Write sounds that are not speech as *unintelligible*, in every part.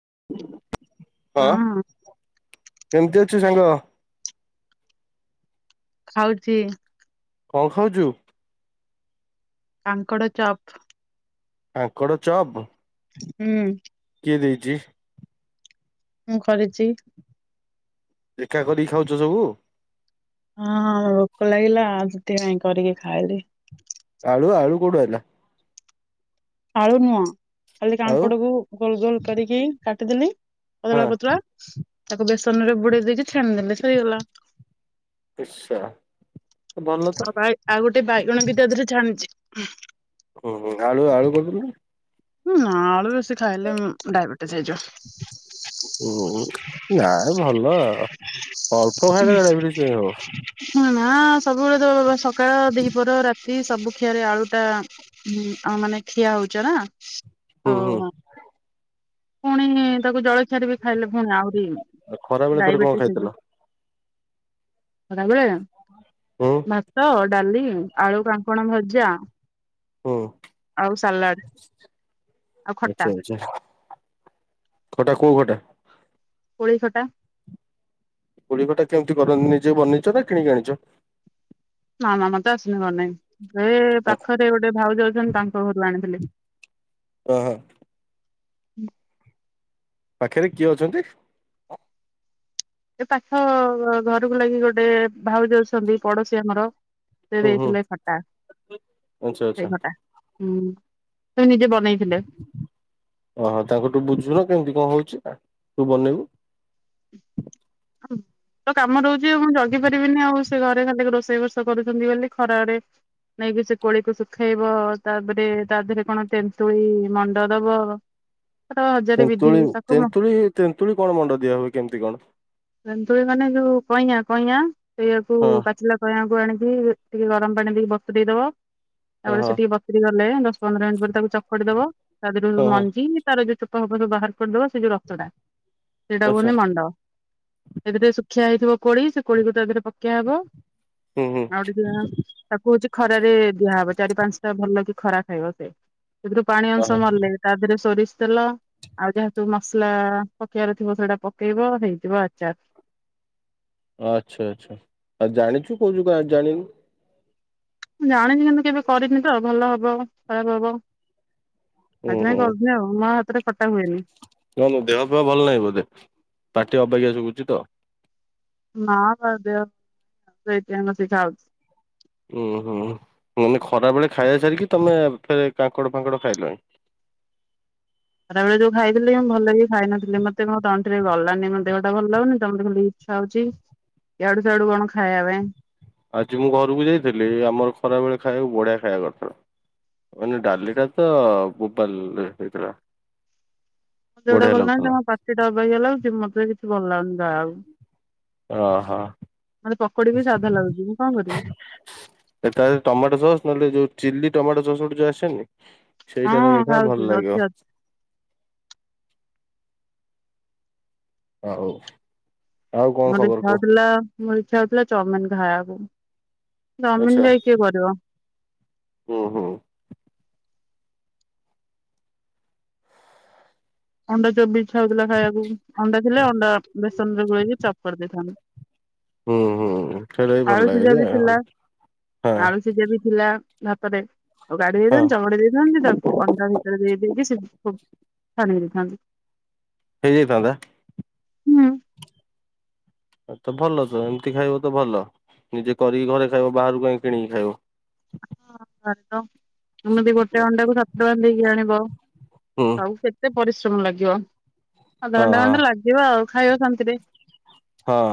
*inaudible* ହଁ। କେମତି ଅଛୁ ସାଙ୍ଗ? ଖାଉଛି। କଣ ଖାଉଛୁ? କାଙ୍କଡ଼ଚପ। କାଙ୍କଡ଼ଚପ? ହୁଁ। ଦେଇଛି? ମୁଁ କରିଛି। ଏକା କରିକି ଖାଉଛ ସବୁ? ହଁଁ ଭୋକ ଲାଗିଲା ସେଥିପାଇଁ କରିକି ଖାଇଲି। ଆଳୁ ଆଳୁ କୋଡୁ ଆଇଲା? ଆଳୁ ନୁହଁ ଖାଲି ଆଉ କାଙ୍କଡକୁ ଗୋଲ ଗୋଲ କରିକି କାଟିଦେଲି ହଁ ପତଳା ପତଳା ତାକୁ ବେସନ ରେ ବୁଡେଇ ଦେଇକି ଛାଣିଦଲେ ସରିଗଲା। ଏସ ଶଳା। ହଉାଇ ଆଉ ଗୋଟେ ବାଇଗଣ ବିତାଧରେ ଛାଣିଛି। ହୁଁ ହଁ ଆଳୁ ଆଳୁ କର ହଁ ଆଳୁ ବେଶୀ ଖାଇଲେ ଡାଇବେଟିସ୍ ହେଇଯିବ। ହୁଁ ନାଇଁ ଭଲ ଅଳ୍ପ ଖାଇଲେ ଡାଇଵେଡିସ କାଇଁ ହଵ। ହୁଁ ନା ସବୁବେଳେ ତ ସକାଳ ଦିହପର ରାତି ସବୁ ଖିଆରେ ଆଳୁ ଟା ମାନେ ଖିଆ ହଉଛ ନା। ହୁଁ ତ ହୁଁ ପୁଣି ତାକୁ ଜଳ ରେ ବି ଖାଇଲେ ପୁଣି ଆହୁରି ଆଉ ଖରା ବେଳେ ଫେରେ କଣ ଡାଇବେଟିସ୍ ଖାଇଥିଲ ହେଇଯିବ। ବେଳେ ହୁଁ ଭାତ ଡାଲି ଆଳୁ କା କଣ ଭଜା ହଁ। ଆଉ ସାଲାଡ ଆଉ ଆଚ୍ଛା ଖଟା। ଆଚ୍ଛା ଖଟା କୋଉ ଖଟା? କୋଳି ଖଟା। କୋଳିଖଟା କେମିତି କରନ୍ତି ନିଜେ ବନେଇଛ ନା କିଣିକି ଆଣିଛ? ହଁ ମ ମେତ ତ ଆସେନି କି ନାହିଁ। ଏ ପାଖରେ ଗୋଟେ ଭାଉଜ ଅଛନ୍ତି ତାଙ୍କ ଘରୁ ଆଣିଥିଲି। ଓହୋ। ହୁଁ। ପାଖରେ କିଏ ଅଛନ୍ତି? ଏ ପାଖ ଘରକୁ ଲାଗି ଗୋଟେ ଭାଉଜ ଅଛନ୍ତି ପଡୋଶୀ ଆମର ସେ ହୁଁ ହୁଁ ଦେଇଥିଲେ ଖଟା। ଆଚ୍ଛା ସେଇ ଆଚ୍ଛା ଖଟା ହୁଁ। ସେ ନିଜେ ବନେଇଥିଲେ ଓହୋ ତାଙ୍କଠୁ ବୁଝୁବ କେମିତି କଣ ହଉଛି। ତୁ ବନେଇବୁ ହଁ। ତ କାମ ରହୁଛି। ଆଉ ମୁଁ ଜଗି ପାରିବିନି ଆଉ ସେ ଘରେ ଖାଲି ରୋଷେଇ ବସା କରୁଛନ୍ତି ବୋଲି ଖରାରେ ନେଇକି ସେ କୋଳିକୁ ଶୁଖେଇବ ତାପରେ ତା ଦେହରେ କଣ ତେନ୍ତୁଳି ମଣ୍ଡ ଦବ। ହ *inaudible* ତେନ୍ତୁଳି ତେନ୍ତୁଳି ତେନ୍ତୁଳି କଣ ମଣ୍ଡ ଦିଆ ହୁଏ କେମିତି କଣ? ତେନ୍ତୁଳି ମାନେ ଯୋଉଁ କଇଁଆ କଇଁଆ ସେଇଆକୁ ହଁ ପାଚିଲା କଇଁ ଆଣିକି ଟିକେ ଗରମ ପାଣି ଦେଇକି ବତୁରାଇ ଦେବା। ହଁ ତାପରେ ହଁ ସେ ଟିକେ ବତୁରି ଗଲେ ଦଶ ପନ୍ଦର ମିନିଟ୍ ପରେ ତାକୁ ଚକୁଡ଼ି ଦବ ତା ଦେହରୁ ହଁ ହଁ ମଞ୍ଜି ତାର ଯୋଉଁ ପପ ବାହାର କରିଦବ ସେ ଯୋଉଁ ରକ୍ତ ଟା ସେଇଟା କୁ ଆଚ୍ଛା ହୁହନ୍ତି ମଣ୍ଡା। ସେଥିରେ ଶୁଖିଆ ହେଇଥିବ। କୋଳି ସେ କୋଳିକୁ ତ ଏଥିରେ ପକେଇଆହବ। ହୁଁ ହୁଁ ଆଉ ଗ ଟିକ ତାକୁ ହଉଛି ଖରାରେ ଦିଆହବ ଚାରି ପାଞ୍ଚଟା ଭଲ କି ଖରା ଖାଇବ ସେ ସେଥିରୁ ପାଣି ଓହୋ ଅଂଶ ମାରିଲ ତା ଦେହରେ ସୋରିଷ ତେଲ ଆଉ ଯାହାେତୁ ମସଲା ପକେଇବାର ଥିବ ସେଇଟା ପକେଇବ ହେଇ ଆଚାର। ଆଛା ଆଛା ଆ ଜାଣିଛୁ କହୁଛୁ କଣ ଜାଣିିନୁ? ଜାଣିଛି କିନ୍ତୁ କେବେ କରିନି ତ ଭଲ ହବ ଖରାପ ହବ। ହୁଁ ଆଜି ନାଇଁ କହୁଥିଲ। ନାଁ ହେତେରେ ହାତରେ ଖଟା ହୁଏନି। ନାଁ ଦେହ ପା ଭଲ ନାହିଁ ବୋଧେ ପାଟି ଅବାକିଆ ଶୁଖୁଛି ତ? ନାଁ ବା ଦେହ *unintelligible* ଖାଉଛ *unintelligible* ଉୁଁ ହୁଁ ମାନେ ଖରା ବେଳେ ଖାଇବା ସାରିକି ତମେ ଫରେ କାଙ୍କଡ ଫାଙ୍କଡ ଖାଇଲଣି? *inaudible* ଖରାବେଳେ ଯୋଉ ଖାଇଥିଲି ମୁଁ ଭଲ କି ଖାଇ ନଥିଲି ମତେ ମୋ ତଣ୍ଟିରେ ଦେହଟା ଭଲ ଲାଗୁନି ତାପରେ ଖାଲି ଇଚ୍ଛା ହଉଛି ଇଆଡୁ ସିଆଡୁ କଣ ଖାଇବା ପାଇଁ। ଆଜି ମୁଁ ଘରକୁ ଯାଇଥିଲି। ଆମର ଖରା ବେଳେ ଖାଇବାକୁ ବଢିଆ ଖାଇବା କରିଥିଲା। ମାନେ ଡାଲିଟା ତ ବୋବାଲ ହେଇଥିଲା। ମୁଁ ଯୋଉଁଟା ବଢିଆ ଭଲ ନାଁ ଲାଗୁଥିଲା। ତମ ପାଟିଟା ଅବାଗିଆ ଲାଗୁଚି। ମତେ କିଛି ଭଲ ଲାଗୁନି ଦବାକୁ ଓ ହୋ। ମତେ ପକୋଡି ବି ସଦା ଲାଗୁଛି ମୁଁ କଣ କରିବି? ଏଟ ଟମାଟୋ ସସ୍ ନହେଲେ ଯୋଉଁ ଚିଲି ଟମାଟୋ ସସ୍ ଗୋଟେ ଯୋଉଁ ଆସେନି? ହଁ ସେଇଟା ଖା ଖାଉଛି ଭଲ ଅଛି ଲାଗିବ। ଅଛି। ହ ହଉ। ମୋର ଇଛା ହଉଥିଲା ମୋର ଇଚ୍ଛା ହଉଥିଲା ଚାଉମିିନ ଖାଇବାକୁ। ଚାଉମିନ ଆଚ୍ଛା ଟା କିଏ କରିବ? ହୁଁ ହୁଁ। ଅଣ୍ଡା ଚପ୍ ବି ଇଛା ହେଉଥିଲା ଖାଇବାକୁ ଅଣ୍ଡା ଥିଲେ ଅଣ୍ଡା ବେସନ ରେ ଗୋଳେଇକି ଚପ କରିଦେଇଥାନ୍ତି। *inaudible* ହୁଁ ହୁଁ ସେଇଟା ବି ଭଲ ଆଳୁ ଲାଗେ ସିଝା ଯେ ବି ହଁ ଥିଲା ଆଳୁ ସିଝା ବି ଥିଲା ଭାତରେ ଆଡ଼େଇ ହଁ ଦେଇଥାନ୍ତି ଚଗଡି ଦେଇଥାନ୍ତି ତାକୁ ଅଣ୍ଡା ଭିତରେ ଦେଇ ଦେଇକି କାଡି ଦେଇଥାନ୍ତି। ହେଇଯାଇଥାନ୍ତା? ହଁ। ଆ ତ ଭଲ ତ ଏମିତି ଖାଇବ ତ ଭଲ। ନିଜେ କରିକି ଘରେ ଖାଇବ ବାହାରୁ କାହିଁକି କିଣିକି ଖାଇବ। ହଁ ସରେ ତ ଏମିତି ହୁଁ ଗୋଟେ ଅଣ୍ଡାକୁ ସାତ ଟଙ୍କା ଦେଇକି ଆଣିବ। ହଁ ଆଉ କେତେ ପରିଶ୍ରମ ଲାଗିବ ଆଉ ଅଧ ଘଣ୍ଟା ହଁ। ଖଣ୍ଡେ ଲାଗିବ ଆଉ ଖାଇବା ଶାନ୍ତିରେ। ହଁ।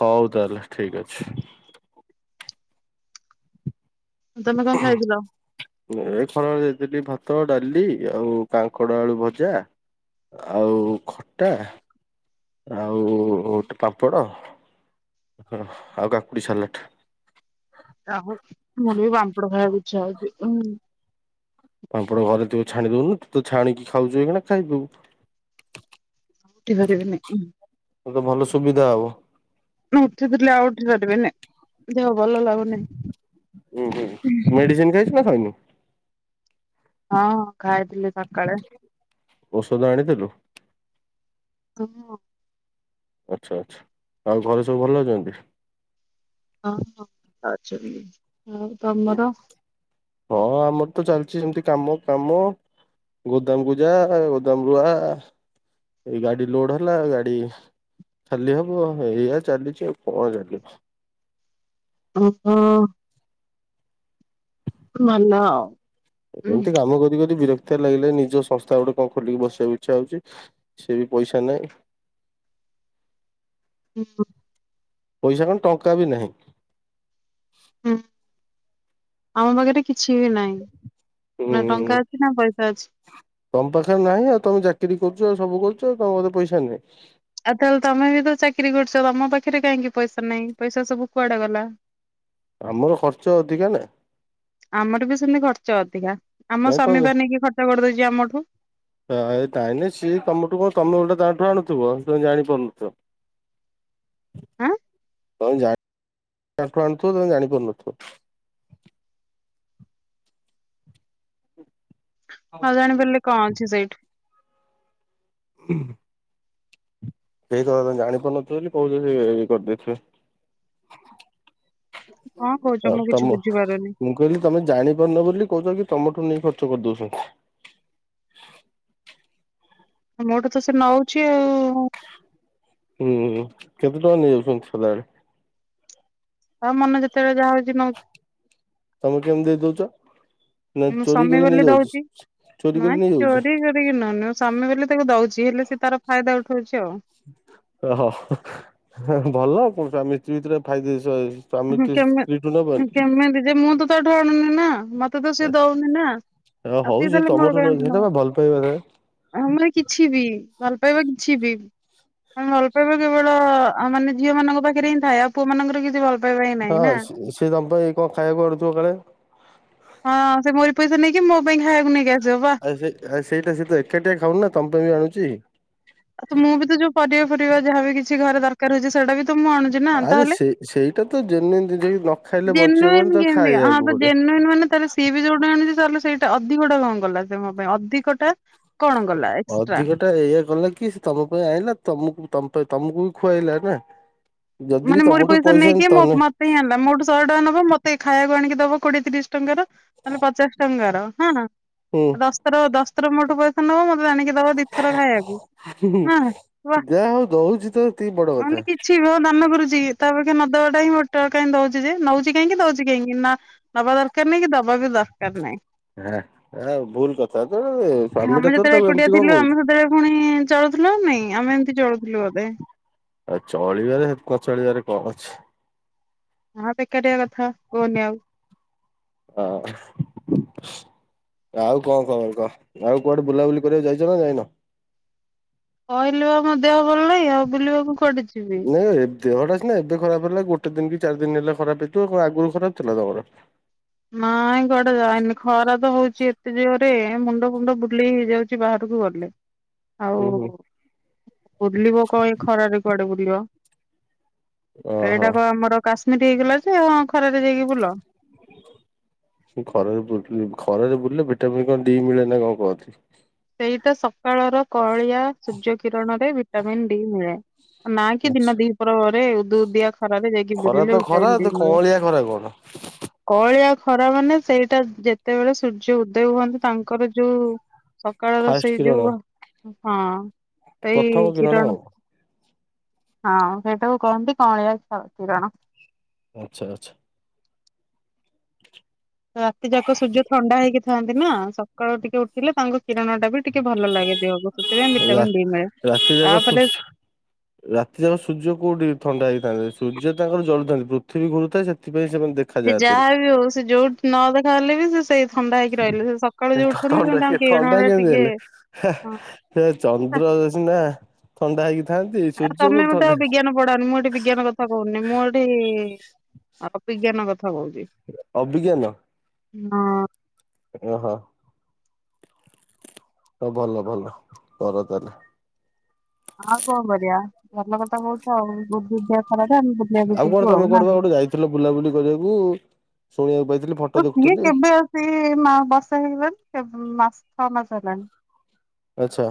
ହଉ ତାହେଲେ ଠିକ ଅଛି। ତମେ କଣ ଖାଇଥିଲ? ଏ ଖରାବେଳେ *unintelligible* ଦେଇଥିଲି ଭାତ ଡାଲି ଆଉ କାଙ୍କଡ ଆଳୁ ଭଜା ଆଉ ଖଟା ଆଉ ଗୋଟେ ପାମ୍ପଡ଼ ହ ଆଉ କାକୁଡି ସାଲେଟ୍। ଆ ମୁଁ ବି ପାମ୍ପଡ ଖାଇବା କୁ ଇଛାହଉଛି ହଁ ପାମ୍ପଡ ଘରେ ଥିବ ଛାଣି ଦଉୁନୁ ତୁ ତ ଛାଣିକି ଖାଉଛୁ ଏହିଖିଣା ଉଠି ପାରିବିନି। ଏତ ଭଲ ସୁବିଧା ହବ। ଉଠି ଥିଲି ଆଉ ଉଠି ପାରିବିିନି ଦେହ ଭଲ ଲାଗୁନି। ଉୁଁ ହୁଁ ମେଡିସିନ ଖାଇଛୁ ନା ଖାଇନୁ ହଁ ଖାଇଥିଲି ସକାଳେ। ଔଷଧ ଆଣିଥିଲୁ? କମିବ। *unintelligible* ଆଛା ଆଚ୍ଛା ଆଉ ଘରେ ସବୁ ଭଲ ଅଛନ୍ତି? ହଁ ହଁ ଆଛା *unintelligible* ଭ ହଁ ଆମର ତ ଚାଲିଛି ସେମିତି କାମ କାମ ଗୋଦାମକୁ ଯାଆ ଗୋଦାମରୁୁ ଆ। ଏଇ ଗାଡି ଲୋଡ ହେଲା ଗାଡି ଖାଲି ହବ ଏଇଆ ଚାଲିଛି ଆଉ କଣ ଚାଲିବ। ଓହୋ। ଭଲ ଆଉ। ଉଁ ଏମିତି କାମ କରି କରି ବିର ଏତେ ଲାଗିଲେ ନିଜ ସଂସ୍ଥା ଗୋଟେ କଣ ଖୋଲିକି ବସିବାକୁ ଇଛା ହଉଛି, ସେ ବି ପଇସା ନାହିଁ *unintelligible* ପଇସା କଣ ଟଙ୍କା ବି ନାହିଁ। ହଁ ଆମ ପାଖରେ କିଛି ବି ନାଇଁ। ହୁଁ ତମ ପାଖରେ ନାହିଁ ଆଉ ତମେ ଚାକିରି କରୁଛ ଆଉ ସବୁ କରୁଛ *unintelligible* ପଇସା ନାହିଁ ଆଉ ତାହେଲେ ତମେ ବି ତ ଚାକିରି କରୁଛ ତମ ପାଖରେ କାହିଁକି ପଇସା ନାହିଁ ପଇସା ସବୁ କୁଆଡେ ଗଲା। ଆମର ଖର୍ଚ୍ଚ ଅଧିକା ନା। *unintelligible* ଖର୍ଚ୍ଚ ଅଧିକା ଆମ ସ୍ୱାମୀ ବା ନେଇକି ଖର୍ଚ୍ଚ *unintelligible* କରିଦଉଛି ଆମଠୁ ତାଠୁ ଆଣୁଥିବ ତୁମେ ଜାଣି ପାରୁନଥିବ। ହଁ। ତମେ *inaudible* ତାଠୁ ଆଣୁଥିବ ତମେ ଜାଣିପାରୁନଥିବ। ହଁ ଜାଣି ପାରିଲେ କଣ ଅଛି ସେଇଠି ହୁଁ। ସେଇ କଥା ତମେ ଜାଣି ପାରୁନଥିବ ବୋଲି କହୁଛ ସେ ଏ ଇଏ କଣ କହୁଛ କରିଦେଇଥିବେ। ଆଉ ମୁଁ କିଛି ତମ ବୁଝିପାରୁନି। ମୁଁ କହିଲି ତମେ ଜାଣିପାରୁନ ବୋଲି କହୁଛ କି ତମଠୁ ନେଇ ଖର୍ଚ୍ଚ କରିଦଉଛନ୍ତି। ମୋଠୁ ତ ସେ ନଉଛି ଆଉ। ହୁଁ ହୁଁ କେତେ ଟଙ୍କା ନେଇଯାଉଛନ୍ତି ସଦାବେଳେ। ତା ମନ ଯେତେବେଳେ ଯାହା ହଉଛି ନଉଛି। ତମେ କେମତି ଦେଇ ଦଉଛ। ନା ମୁଁ ଚୋରି ସ୍ୱାମୀ କରି ବୋଲି ନେଇଯାଉଛି। ଦଉଛି, ଚୋରି କରି ନାଇଁ ନେଇଯାଉଛି ଚୋରି କରିକି ନଉନି ସ୍ୱାମୀ ବୋଲି ତାକୁ ଦଉଛି ହେଲେ ସେ ତାର ଫାଇଦା ଉଠଉଛି ଆଉ ଓହୋ ଭଲ ଆଉ କଣ ସ୍ୱାମୀ ସ୍ତ୍ରୀ ଭିତରେ *unintelligible* ଯେ ସ୍ଵାମୀ କେମି ସ୍ତ୍ରୀ ଠୁ ନବନୀ କେମିତି ଯେ ମୁଁ ତ ତାଠୁ ଆଣୁନି ନା ମତେ ତ ସିଏ ଦଉନି ନା ଆଉ ହଉ କିଏ ସେ ତାହଲେ ମୋର ତମଠୁ ନଉଛି ବ୍ୟାଙ୍କ୍ ନ ସେଟା ବା ଭଲ ପାଇବା ଥାଏ। ଆମର କିଛି ବି ଭଲ ପାଇବା କିଛି ବି। ମାନେ ଭଲ ପାଇବା କେବଳ ଆ ମାନେ ଝିଅମାନଙ୍କ ପାଖରେ ହିଁ ଥାଏ ଆଉ ପୁଅ ମାନଙ୍କର କିଛି ଭଲ ପାଇବା ହିଁ ନାହିଁ ହଁ ନା। ସେ ସେ ତମପାଇଁ କଣ ଖାଇବାକୁ ଆଣୁଥିବ କାଳେ। ହଁ ସେ ମୋରି ପଇସା ନେଇକି ମୋ ପାଇଁ ଖାଇବାକୁ ନେଇି ଆ ଆରେ ସେ ଆରେ ସେଇଟା ସେ ତ ଏକାଟିଆ ଖାଉନି ନା ତମ୍ ପାଇଁ ବି ଆଣୁଛି। ଆ ତ ମୁଁ ବି ତ ଯୋଉ ପରିବା ଫରିବା ଯାହାବି କିଛି ଘରେ ଦରକାର ହଉଛି ସେଇଟା ବି ତ ମୁଁ ଆଣୁଛି ନା ଆରେ ତାହେଲେ। ସେ ସେଇଟା ତ ଜେନୁଇନ ଜିନିଷ କି ନ ଖାଇଲେ ବଞ୍ଚି ହବନି ଜେନୱିନ ତାକୁ କେମିତିକା ହଁ ଖାଇବାକୁ ତ ପଡିବ। ଜେନ ମାନେ ତାହେଲେ ସିଏ ବି ଯୋଉଟା ଆଣିଛି ତାହେଲେ ସେଇଟା ଅଧିକ ଟା କଣ କଲା ସେ ମୋ ପାଇଁ ଅଧିକଟା କଣ କଲା ଏକ୍ସଟ୍ରା ଅଧିକଟା ଏଇଆ କଲା କି ସେ ତମ ପାଇଁ ଆଇଁଲା ତମକୁ ତମ ପାଇଁ ତମକୁ ବି ଖୁଆଇଲା ନା। ଯଦି ବି ମାନେ ମୋରି ତମଠୁ ପଇସା ନେଇକି ମୋ ତମେ ମତେ ହିଁ ଆଣିଲା ମୋଠୁ ଶହେ ଟଙ୍କା ନବ ମତେ ଖାଇବାକୁ ଆଣିକି ଦବ କୋଡିଏ ତିରିଶ ଟଙ୍କାର ନହେଲେ ପଚାଶ ଟଙ୍କାର ହଁ ନା ହୁଁ ଦଶ୍ ଥର ଦଶ ଥର ମୋଠୁ ପଇସା ନବ ମତେ ଆଣିକି ଦବ ଦିଥର ଖାଇବାକୁ। ହୁଁ ହୁଁ ହଁ ବା ଯାହା ହଉ ଦଉଚି ତ ହେତିକି ବଡ କଥା। ମନା କରୁଚି କି ତାଅପେକ୍ଷା ନଦବାଟା ହିଁ ବେଟର, କାହିଁ ଦଉଚି ଯେ ନଉଚି କାହିଁକି ଦଉଚି କାହିଁକି ନା ନ ଦବା ଦରକାର ନାଇଁ କି ଦବା ବା ବି ଦରକାର ନାହିଁ। ହା ଆ ଭୁଲ କଥା ତ ଏ ସ୍ଵାମୀ ଆମେ ଟା ତୋର ତାକୁ ଏମିତି କଣ କହୁଛୁ? ଚଳୁଥିଲା ନା ନାଇଁ ଆମେ ଏମିତି ଚଳୁଥିଲୁ ବୋଧେ ଆଉ ଚଳିବାରେ ହେ କ ଚଳିବାରେ କଣ ଅଛି। ହଁ ବେକାରିଆ କଥା କୁହନି ଆଉ। ହଁ। ଆଉ କଣ ଖବର କହ ଆଉ କୁଆଡେ ବୁଲାବୁଲି କରିବାକୁ ଯାଇଚ ନା ଯାଇନ? କହିଲି ବା ମୋ ଦେହ ଭଲ ନାହିଁ ଆଉ ବୁଲିବାକୁ କୁଆଡେ ଯିବି। ନାଇଁ ଏ ଦେହଟା ସିନା ଏବେ ଖରାପ ହେଲା ଗୋଟେ ଗୋଟ ଦିନ କି ଚାରି ଦିନ ହେଲା ଖରାପ ହେଇଥିବ ଆଗରୁ ଖରାପ ଥିଲା ତମର? ନାଇଁ କୁଆଡେ ଯାଇନି ଖରା ତ ହଉଚି ଏତେ ଜୋରେ ମୁଣ୍ଡ ଫୁଣ୍ଡ ବୁଲେଇ ହେଇଯାଉଛି ବାହାରକୁ ଗଲେ। ଆଉ ହୁଁ ହୁଁ ବୁଲିବ କଁ ଏ ଖରାରେ କୁଆଡେ ବୁଲିବ। ଓହୋ ଏଇଟା କଁ ଆମର କାଶ୍ମୀରି ହେଇଗଲା ଯେ ହଁ ଖରାରେ ଯାଇକି ବୁଲ। ସେ ଖରା ରେ ବୁ ଖରା ରେ ବୁଲିଲେ ଭିଟାମିନ କଣ ଡି ମିଳେ ନା କଣ କହନ୍ତି? ସେଇଟା ସକାଳର କଁଳିଆ ସୂର୍ଯ୍ୟ କିରଣରେ ଭିଟାମିନ୍ ଡି ମିଳେ। ନା କି ଆଛା ଦିନ ଦି ପ୍ରହରେ ଉଦୁ ଉଦିଆ ଖରାରେ ଯାଇକି ଖରା ବୁଲିଲେ ତ ଖରା ଭିଟାମିନ ତ ଡି ମିଳିବ। କଅଁଳିଆ ଖରା କଣ କଅଁଳିଆ ଖରା ମାନେ ସେଇଟା ଯେତେବେଳେ ସୂର୍ଯ୍ୟ ଉଦୟ ହୁଅନ୍ତି ତାଙ୍କର ଯୋଉ ସକାଳର ଫାଷ୍ଟ ସେଇ କିରଣ ଯୋଉ ହଁ ପ୍ରଥମ ସେଇ କିରଣ ଆଉ। ହଁ ସେଇଟାକୁ କହନ୍ତି କଅଁଳିଆ *unintelligible* କିରଣ। ଆଚ୍ଛା ଆଚ୍ଛା। ରାତି ଯାକ ସୂର୍ଯ୍ୟ ଥଣ୍ଡା ହେଇକି ଥାନ୍ତି ନା ସକାଳୁ ଟିକେ ଉଠିଲେ ତାଙ୍କୁ କିରଣ ଟା ବି ଟିକେ ଭଲ ଲାଗେ ଦେହକୁ ସେଥିପାଇଁ ରା ଭିଟାମିିନ ଡି ମିଳେ ରାତି ଯାକ ସୁ ତାପରେ ରାତି ଯାକ ସୂର୍ଯ୍ୟ କୋଉଠି ଥଣ୍ଡା ହେଇଥାନ୍ତେ ସୂର୍ଯ୍ୟ ତାଙ୍କର ଜଳୁଥାନ୍ତି ପୃଥିବୀ ଘୁରୁଥାଏ ସେଥିକଁ ସେ ଯାହା ବିି ହଉ ସେ ଯୋଉଠି ନ ଦେଖାହଲେ ବି ସେ ସେଇ ଥଣ୍ଡା ହେଇକି ରହିଲେ ସେ ସକାଳୁ ଯୋଉ ଉଠନ୍ତି ସେ ଥଣ୍ଡା ତାଙ୍କ ଥଣ୍ଡା କିରଣରେ କେମିତି ଟିକେ ହେଲେ ହଁ ହେଁ ଚନ୍ଦ୍ର *unintelligible* ନା ଥଣ୍ଡା ହେଇକି ଥାନ୍ତି ଆଉ ସୂର୍ଯ୍ୟ ତମେ କୋଉଠି ମୋତେ ଥଣ୍ଡା ଆଉ ବିଜ୍ଞାନ ପଢାଉନି ମୁଁ ଏଠି ବିଜ୍ଞାନ କଥା କହୁନି ମୁଁ ଏଠି ଆଉ ବିଜ୍ଞାନ କ- ଅଭିଜ୍ଞାନ? ହଁ। ଓହୋ। ହଁ ଭଲ ଭଲ କର ତାହଲେ। ଆଉ କଣ କରିବା ଭଲ କଥା କହୁଛ ଉଦଉଦିଆ ଖରାରେ। ଆମେ ବୁଲିବାକୁ ଆଉ କଣ ଯିବୁ ଆଉ ତମେ ନାହିଁ କୁଆଡେ ଯାଇଥିଲ ପା ବୁଲାବୁଲି କରିବାକୁ? ଶୁଣିବାକୁ ପାଇଥିଲି ଫଟୋ ଆ ସିଏ ଦେଖୁଥିଲି କେବେ ଆସି ମାସ ହେଇଗଲାଣି କେ ଛଅ ମାସ ହେଲାଣି। ଆଛା।